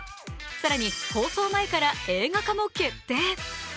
更に放送前から映画化も決定。